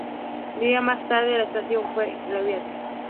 Días más tarde, la estación fue reabierta.